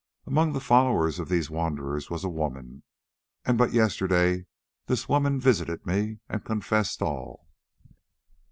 Among the followers of these wanderers was a woman, and but yesterday this woman visited me and confessed all.